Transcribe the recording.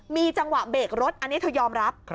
มีจังหวะเบรกรถอันนี้เธอยอมรับ